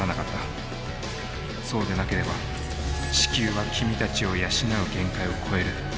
そうでなければ地球は君たちを養う限界を超える。